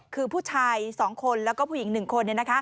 คือผู้ชาย๒คนแล้วก็ผู้หญิง๑คน